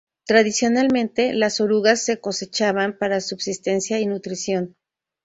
Tradicionalmente, las orugas se cosechaban para subsistencia y nutrición.